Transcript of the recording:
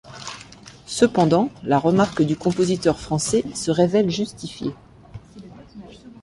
Cependant, la remarque du compositeur français se révèle justifiée.